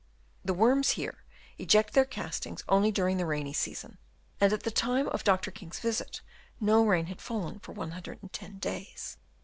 The worms here eject their castings only during the rainy season ; and at. the time of Dr. King's visit no rain had fallen for 110 days.